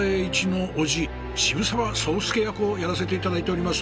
渋沢宗助役をやらせて頂いております